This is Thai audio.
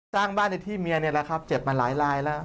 สร้างบ้านในที่เมียนี่แหละครับเจ็บมาหลายลายแล้ว